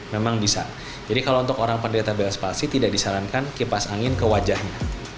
memang bisa jadi kalau untuk orang pendetabes palsi tidak disarankan kipas angin ke wajahnya